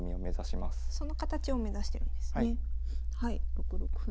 ６六歩に。